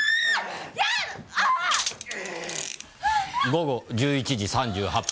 午後１１時３８分。